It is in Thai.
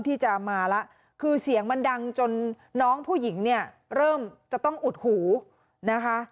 ที่จะมาแล้วคือเสียงมันดังจนน้องผู้หญิงเนี่ยเริ่มจะต้องอุดหูนะคะ